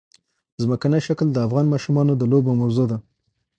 ځمکنی شکل د افغان ماشومانو د لوبو موضوع ده.